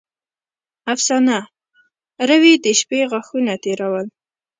افسانه: روې د شپې غاښونه تېرول.